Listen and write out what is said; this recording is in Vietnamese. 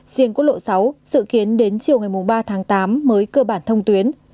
riêng quốc lộ sáu dự kiến đến chiều ngày ba tháng tám mới cơ bản thông tuyến